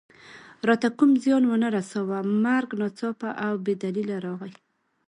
راته کوم زیان و نه رساوه، مرګ ناڅاپه او بې دلیله راغی.